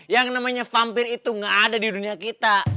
yang namanya vampir itu gak ada di dunia kita